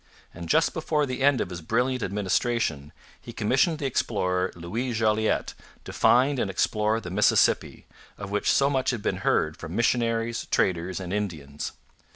And just before the end of his brilliant administration he commissioned the explorer Louis Jolliet to find and explore the Mississippi, of which so much had been heard from missionaries, traders, and Indians.